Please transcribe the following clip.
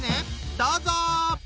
どうぞ！